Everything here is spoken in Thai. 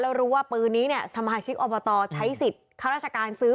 แล้วรู้ว่าปืนนี้เนี่ยสมาชิกอบตใช้สิทธิ์ข้าราชการซื้อ